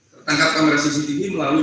tertangkapkan oleh cctv melalui